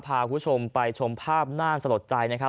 พาคุณผู้ชมไปชมภาพน่าสลดใจนะครับ